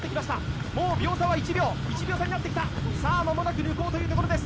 もう秒差は１秒差になってきた、間もなく抜こうというところです。